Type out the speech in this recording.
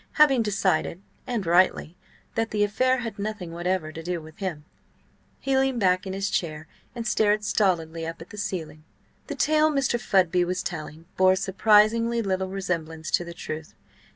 Having decided (and rightly) that the affair had nothing whatever to do with him, he leaned back in his chair and stared stolidly up at the ceiling. The tale Mr. Fudby was telling bore surprisingly little resemblance to the truth.